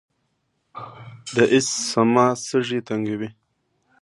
د اسثما سږي تنګوي.